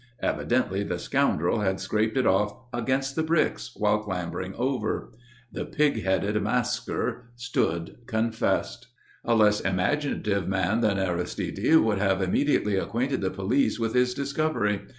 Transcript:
Evidently the scoundrel had scraped it off against the bricks while clambering over. The pig headed masquer stood confessed. A less imaginative man than Aristide would have immediately acquainted the police with his discovery.